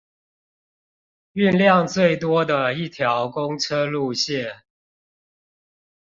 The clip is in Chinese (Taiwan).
運量最多的一條公車路線